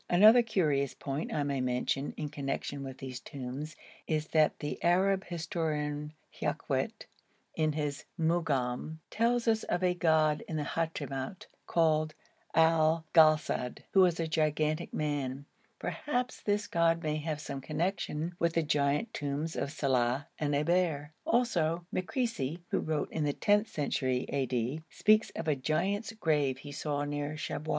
Another curious point I may mention in connection with these tombs is that the Arab historian, Yaqut, in his 'Mu'gam,' tells us of a god in the Hadhramout, called Al Galsad, who was a gigantic man; perhaps this god may have some connection with the giant tombs of Saleh and Eber. Also Makrisi, who wrote in the tenth century, a.d., speaks of a giant's grave he saw near Shabwa.